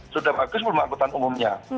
sudah bagus perumahan anggota umumnya